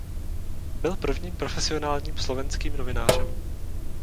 Byl prvním profesionálním slovenským novinářem.